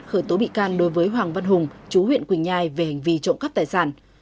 khởi tố bị can đối với hoàng văn hùng chú huyện quỳnh nhai về hành vi trộm cắp tài sản